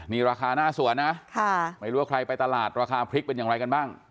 นี่ราคาหน้าสวนนะไม่รู้ว่าใครไปตลาดราคาพริกเป็นอย่างไรกันบ้าง